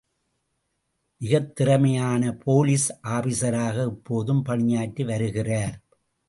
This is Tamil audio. மிகத் திறமையான போலீஸ் ஆபீசராக, இப்போதும் பணியாற்றி வருகிறார்.